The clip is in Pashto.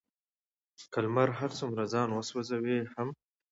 که لمر هر څومره ځان وسوزوي هم،